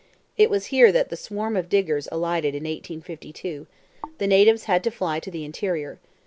It was here that the swarm of diggers alighted in 1852; the natives had to fly to the interior.